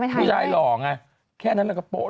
ผู้ชายหล่อไงแค่นั้นเราก็โป๊